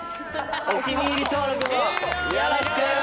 お気に入り登録もよろしく！